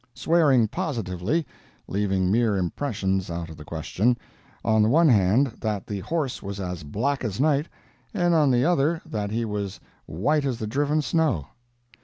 Swearing positively—leaving mere impressions out of the question—on the one hand that the horse was as black as night, and on the other that he was white as the driven snow.